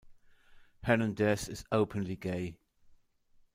Hernandez is openly gay.